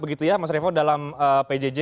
begitu ya mas revo dalam pjj